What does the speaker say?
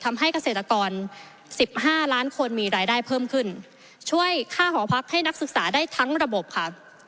ทำให้เกษตรกรสิบห้าล้านคนมีรายได้เพิ่มขึ้นช่วยค่าหอพักให้นักศึกษาได้ทั้งระบบค่ะ